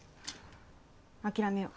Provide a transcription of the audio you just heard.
諦めよう。